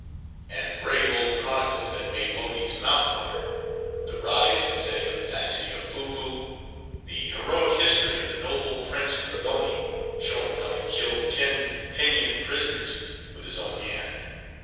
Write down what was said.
And brave old chronicles, that made Mohi's mouth water:— "The Rise and Setting of the Dynasty of Foofoo." "The Heroic History of the Noble Prince Dragoni; showing how he killed ten Pinioned Prisoners with his Own Hand."